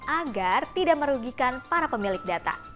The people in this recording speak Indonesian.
agar tidak merugikan para pemilik data